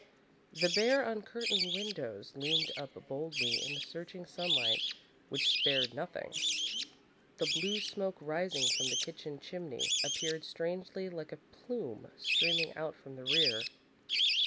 The bare, uncurtained windows loomed up boldly in the searching sunlight, which spared nothing. The blue smoke rising from the kitchen chimney appeared strangely like a plume streaming out from the rear.